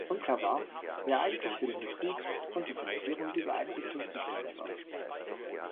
Unklar war, wer eigentlich für den Betrieb und die Finanzierung dieser Einrichtung zuständig war.